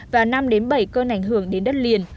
và năm bảy cơn ảnh hưởng đến đất liền